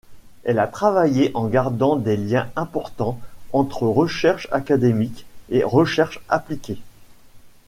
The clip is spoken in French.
Elle a travaillé en gardant des liens importants entre recherche académique et recherche appliquée.